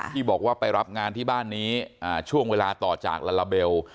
ที่บอกว่าไปรับงานที่บ้านนี้ช่วงเวลาต่อจากลาลาเบล